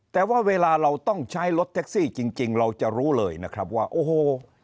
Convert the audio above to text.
แต่ว่าเวลาเราต้องใช้รถแท็กซี่จริงเราจะรู้เลยนะครับว่าโอ้โห